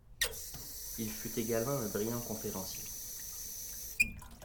Il fut également un brillant conférencier.